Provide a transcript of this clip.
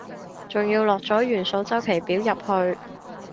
仲要落咗元素週期表入去